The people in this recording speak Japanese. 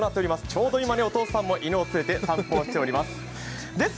ちょうど今、お父さんも犬を連れて散歩をしております。